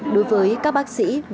đối với các bác sĩ và doanh nhân